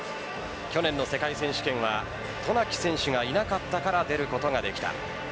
去年の世界選手権は渡名喜選手が居なかったから出ることができた。